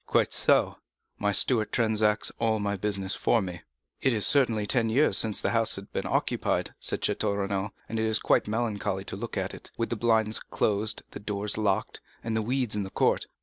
"Quite so; my steward transacts all this business for me." "It is certainly ten years since the house had been occupied," said Château Renaud, "and it was quite melancholy to look at it, with the blinds closed, the doors locked, and the weeds in the court.